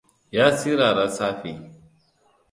Ya tsirara tsafi.